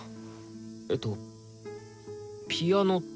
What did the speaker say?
えっとピアノとか？